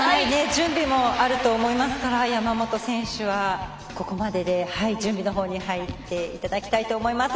準備もあると思いますから山本選手はここまでで準備の方に入っていただきたいと思います。